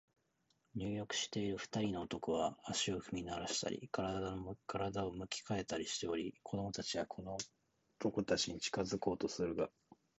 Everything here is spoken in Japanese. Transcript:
入浴している二人の男は、足を踏みならしたり、身体を向き変えたりしており、子供たちはこの男たちに近づこうとするが、